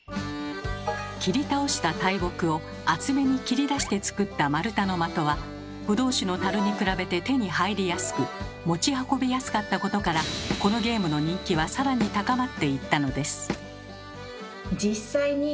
切り倒した大木を厚めに切り出して作った丸太のまとはブドウ酒のタルに比べて手に入りやすく持ち運びやすかったことからこのゲームの人気はさらに高まっていったのです。